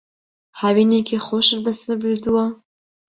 هاوینێکی خۆشت بەسەر بردووە؟